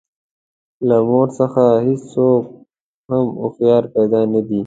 له مور څخه هېڅوک هم هوښیاران پیدا نه دي.